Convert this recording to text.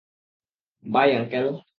By, uncle.